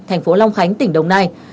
thành phố long khánh tỉnh đồng nai